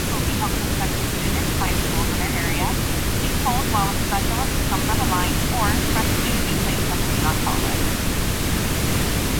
It remains one of their leading products.